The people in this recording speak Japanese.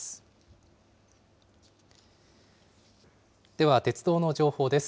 では鉄道の情報です。